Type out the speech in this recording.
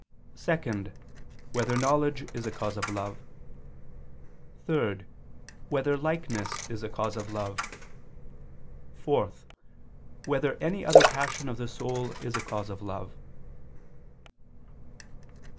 (2) Whether knowledge is a cause of love? (3) Whether likeness is a cause of love? (4) Whether any other passion of the soul is a cause of love?